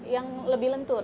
yang lebih lentur